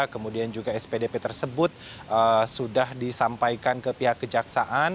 kemudian juga spdp tersebut sudah disampaikan ke pihak kejaksaan